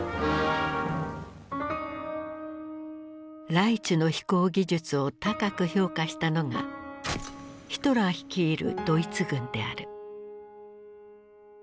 ライチュの飛行技術を高く評価したのがヒトラー率いるドイツ軍である。